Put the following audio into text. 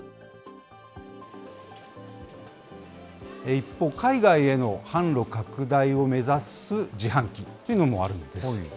一方、海外への販路拡大を目指す自販機というのもあるんです。